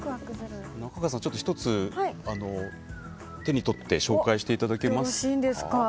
中川さん、１つ手に取って紹介していただけますか。